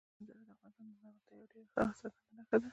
د کلیزو منظره د افغانستان د زرغونتیا یوه ډېره ښه او څرګنده نښه ده.